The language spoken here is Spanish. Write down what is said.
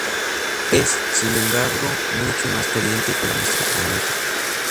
Es, sin embargo, mucho más caliente que nuestro planeta.